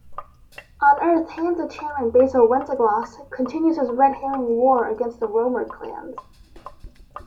On Earth, Hansa Chairman Basil Wenceslas continues his red-herring war against the Roamer clans.